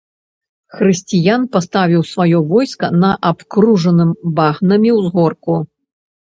Хрысціян паставіў сваё войска на абкружаным багнамі ўзгорку.